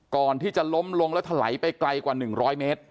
ก่อนที่จะล้มลงแล้วถลายไปไกลกว่า๑๐๐เมตร